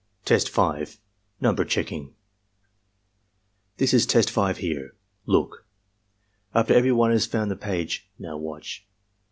Test 5. — ^Ntimber Checking "This is Test 5 here. Look." After every one has found the page. "Now watch."